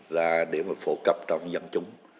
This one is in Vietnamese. ra để mà phổ cập trong dân chúng